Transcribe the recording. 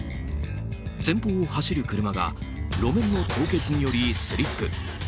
前方を走る車が路面の凍結によりスリップ。